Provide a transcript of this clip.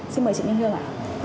xin mời chị minh hương ạ